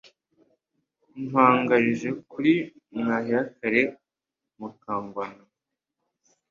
Mpangarije-kure Mwuhira-kare ya Mukanganwa,